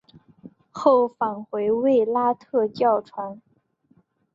后返回卫拉特传教。